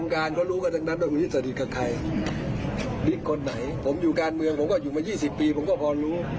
คนไหนผมอยู่การเมืองผมก็อยู่มา๒๐ปีผมก็พอรู้